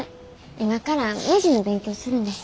今からねじの勉強するんです。